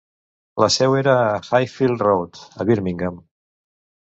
La seu era a Highfield Road, a Birmingham.